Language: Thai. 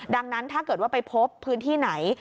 ดังนั้นถ้าเกิดว่าไปพบพื้นที่ไหน